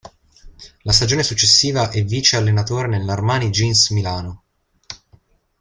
La stagione successiva è vice allenatore nell'Armani Jeans Milano.